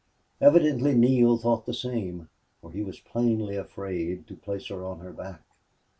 Evidently Neale thought the same, for he was plainly afraid to place her on her back.